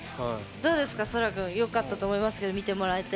どうですかそらくんよかったと思いますけど見てもらえて。